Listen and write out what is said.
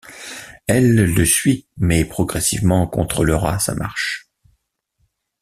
Elle le suit, mais progressivement contrôlera sa marche.